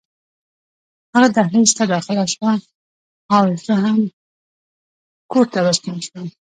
هغه دهلېز ته داخله شوه او زه هم کور ته راستون شوم.